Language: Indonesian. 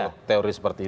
kalau teori seperti itu